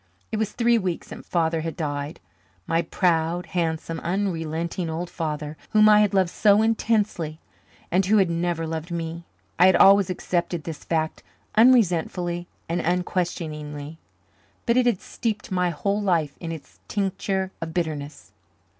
It was three weeks since Father had died my proud, handsome, unrelenting old father, whom I had loved so intensely and who had never loved me. I had always accepted this fact unresentfully and unquestioningly, but it had steeped my whole life in its tincture of bitterness.